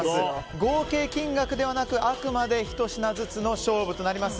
合計金額ではなく、あくまで１品ずつの勝負となっています。